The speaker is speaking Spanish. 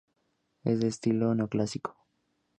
Es de estilo neoclásico.